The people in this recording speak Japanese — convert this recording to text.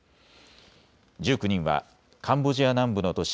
１９人はカンボジア南部の都市